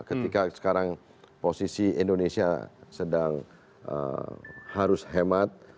ketika sekarang posisi indonesia sedang harus hemat